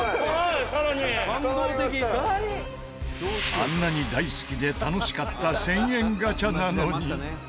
あんなに大好きで楽しかった１０００円ガチャなのに。